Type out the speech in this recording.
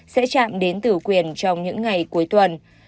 sẽ chạm đến từ quyền trong những ngày cuối tuần